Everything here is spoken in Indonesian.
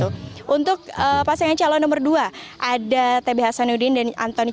untuk pasangan calon nomor dua ada t b hasanudin dan antoni